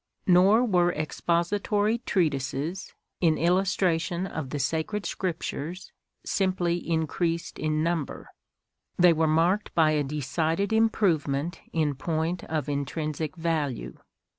Nor were expository treatises, in illustration of the Sacred Scrip tures, simply increased in number ; they were marked by a decided improvement in point of intrinsic value.